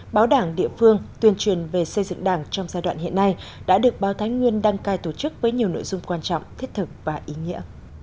báo đảng địa phương tuyên truyền về xây dựng đảng trong giai đoạn hiện nay đã được báo thái nguyên đăng cai tổ chức với nhiều nội dung quan trọng thiết thực và ý nghĩa